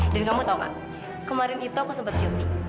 dan kamu tau gak kemarin itu aku sempat syuting